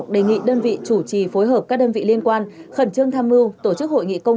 đề nghị đơn vị chủ trì phối hợp các đơn vị liên quan khẩn trương tham mưu tổ chức hội nghị công